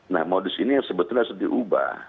nah modus ini sebetulnya sudah diubah